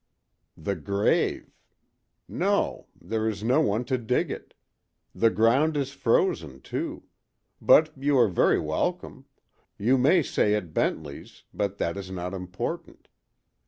The grave! No; there is no one to dig it. The ground is frozen, too. But you are very welcome. You may say at Bentley's—but that is not important.